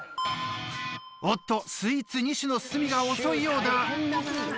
おっとスイーツ２種の進みが遅いようだ。